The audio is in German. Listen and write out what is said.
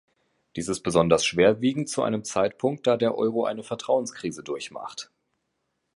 Dies ist besonders schwerwiegend zu einem Zeitpunkt, da der Euro eine Vertrauenskrise durchmacht.